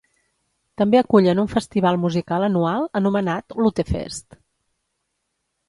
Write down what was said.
També acullen un festival musical anual anomenat "Lutefest".